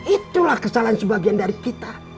itulah kesalahan sebagian dari kita